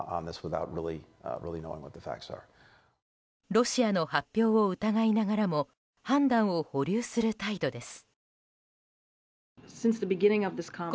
ロシアの発表を疑いながらも判断を保留する態度です。